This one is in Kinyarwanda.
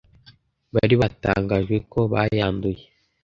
bari batangajwe ko bayanduye